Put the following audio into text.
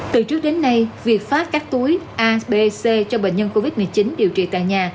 từ trước đến nay việc phát các túi a b c cho bệnh nhân covid một mươi chín điều trị tại nhà